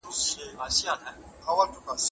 که معلومات غلط وي نو پروګرام ناکامیږي.